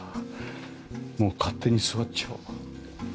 もう勝手に座っちゃおう。